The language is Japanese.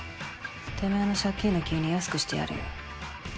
てめぇの借金の金利安くしてやるよ。